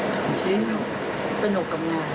ทำจริงสนุกกับมอง